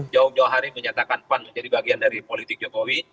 jauh jauh hari menyatakan pan menjadi bagian dari politik jokowi